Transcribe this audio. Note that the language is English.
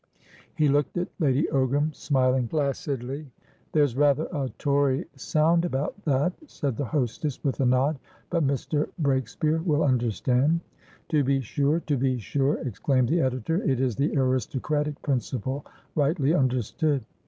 He looked at Lady Ogram, smiling placidly. "There's rather a Tory sound about that," said the hostess, with a nod, "but Mr. Breakspeare will understand." "To be sure, to be sure!" exclaimed the editor. "It is the aristocratic principle rightly understood."